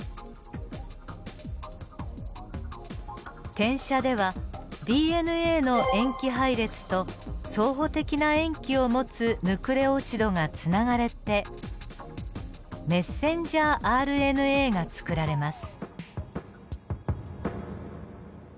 転写ではＤＮＡの塩基配列と相補的な塩基を持つヌクレオチドがつながれてｍＲＮＡが作られます。